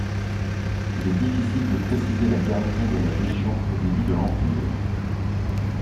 Il est difficile de préciser la garnison de la légion aux débuts de l'empire.